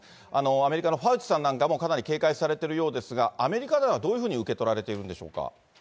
アメリカのファウチさんなんかもかなり警戒されているようですが、アメリカではどういうふうに受け取られているんでしょうか。